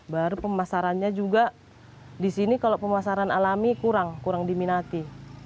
baru pemasarannya juga di sini kalau pemasaran alami kurang kurang diminati